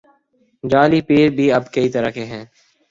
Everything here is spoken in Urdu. جعلی پیر بھی اب کئی طرح کے ہیں۔